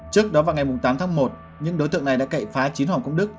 trước đó vào ngày tám tháng một những đối tượng này đã cậy phá chín hoàng công đức